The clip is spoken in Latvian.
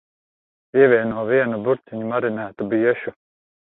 Pievieno vienu burciņu marinētu biešu.